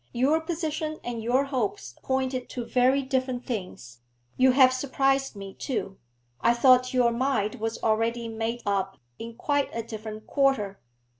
Your position and your hopes pointed to very different things. You have surprised me, too; I thought your mind was already made up, in quite a different quarter.'